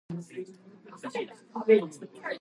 私はペットを飼っています。